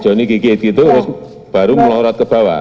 johnny gigit gitu terus baru melorot ke bawah